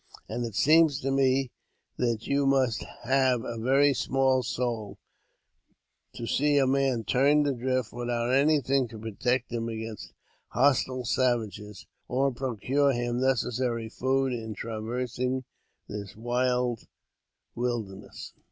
And it seems to me that you must have a very small soul to see a man turned adrift without anything to protect him against hostile savages, or procure him necessary food in traversing this wide wilderness."